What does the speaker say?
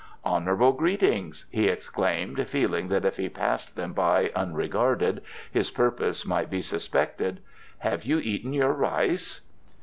"Honourable greetings," he exclaimed, feeling that if he passed them by unregarded his purpose might be suspected. "Have you eaten your rice?"